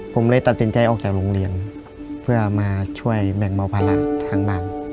ผมเลยตัดสินใจออกจากโรงเรียนเพื่อมาช่วยแบ่งเบาภาระทางบ้าน